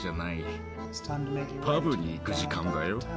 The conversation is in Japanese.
パブに行く時間だよ。